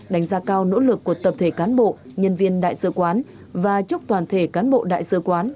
đánh giá cao nỗ lực của tập thể cán bộ nhân viên đại sứ quán và chúc toàn thể cán bộ đại sứ quán